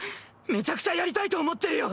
めちゃくちゃやりたいと思ってるよ。